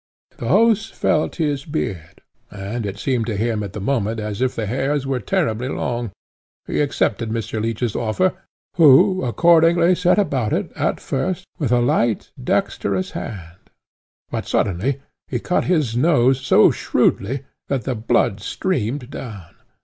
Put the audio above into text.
The host felt his beard, and, it seeming to him at the moment as if the hairs were terribly long, he accepted Mr. Leech's offer, who accordingly set about it, at first, with a light, dexterous hand, but on a sudden he cut his nose so shrewdly, that the blood streamed down.